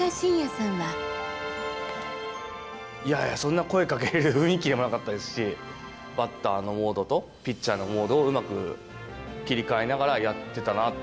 いやいや、そんな声かけられる雰囲気でもなかったですし、バッターのモードとピッチャーのモードをうまく切り替えながらやってたなと。